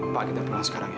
pak kita pulang sekarang ya